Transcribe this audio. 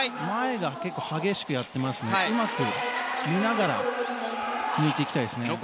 前が激しくやっていますのでうまく見ながら抜いていきたいですね。